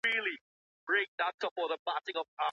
له همدې امله فقهاوو د طلاق عواملو او نتايجو ته کتلي دي.